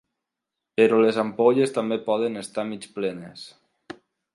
Però les ampolles també poden estar mig plenes.